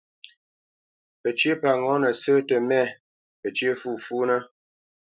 Pəcyə́ pa ŋɔ̌nə sə́ tə mɛ̂, pəcyə́ fûfúnə́.